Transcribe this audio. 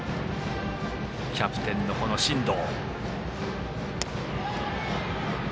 キャプテンの進藤。